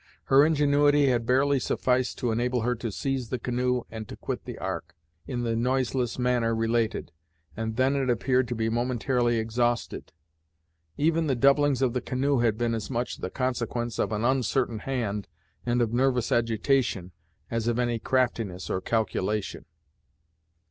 Her ingenuity had barely sufficed to enable her to seize the canoe and to quit the Ark, in the noiseless manner related, and then it appeared to be momentarily exhausted. Even the doublings of the canoe had been as much the consequence of an uncertain hand and of nervous agitation, as of any craftiness or calculation.